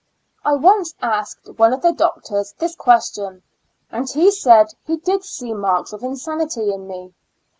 I once asked one of the doctors this question, and he said he did see marks of insanity in me.